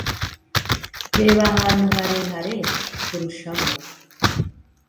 reba ahantu harehare kurushaho